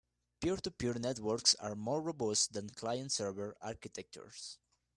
Peer-to-peer networks are more robust than client-server architectures.